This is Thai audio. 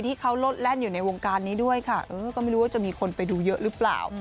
ที่เขาลดแล่นอยู่ในวงการนี้ด้วยค่ะเออก็ไม่รู้ว่าจะมีคนไปดูเยอะหรือเปล่า